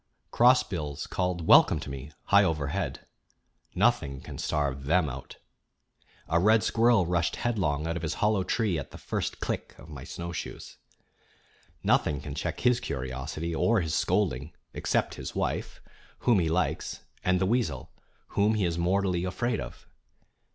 Crossbills called welcome to me, high overhead. Nothing can starve them out. A red squirrel rushed headlong out of his hollow tree at the first click of my snowshoes. Nothing can check his curiosity or his scolding except his wife, whom he likes, and the weasel, whom he is mortally afraid of.